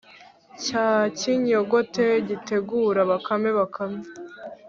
cya kinyogote gitegura bakame. bakame